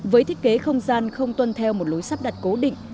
với thiết kế không gian không tuân theo một lối sắp đặt cố định